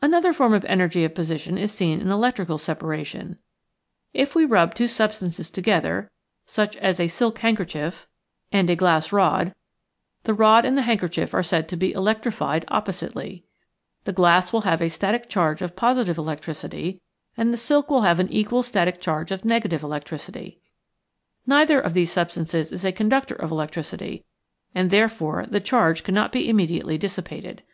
Another form of energy of position is seen in electrical separation If we rub two sub stances together, such as a silk handkerchief Original from "< K UNIVERSITY OF WISCONSIN 32 nature's JlSfraclee. and a glass rod, the rod and the handkerchief are said to be electrified oppositely. The glass will have a static charge of positive electricity and the silk will have an equal static charge of negative electricity. Neither of these substances is a conductor of elec tricity, and therefore the charge cannot be immediately dissipated.